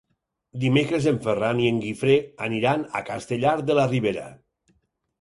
Dimecres en Ferran i en Guifré aniran a Castellar de la Ribera.